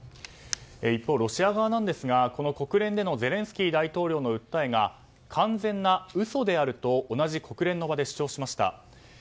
一方、ロシア側なんですが国連でのゼレンスキー大統領の訴えが完全な嘘であると同じ国連の場で主張しました。